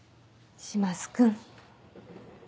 島津君。